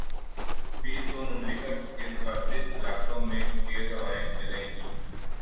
پیر کو مملکت کے متعدد علاقوں میں تیز ہوائیں چلیں گی